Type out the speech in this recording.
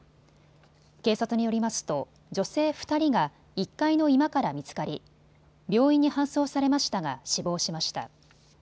警察によりますと女性２人が１階の居間から見つかり病院に搬送されましたが死亡しました。